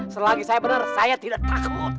selagi saya benar saya tidak takut